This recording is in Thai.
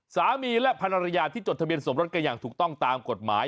สามีและภรรยาที่จดทะเบียนสมรสกันอย่างถูกต้องตามกฎหมาย